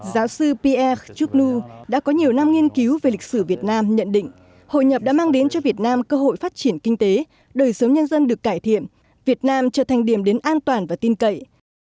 giáo sư pierre chougnu đã có nhiều năm nghiên cứu về lịch sử việt nam nhận định hội nhập đã mang đến cho việt nam cơ hội phát triển kinh tế đời sống nhân dân được cải thiện việt nam trở thành điểm đến an toàn và tin cậy